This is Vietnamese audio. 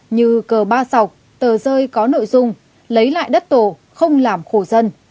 như cờ ba sọc tờ rơi có nội dung lấy lại đất tổ không làm khổ dân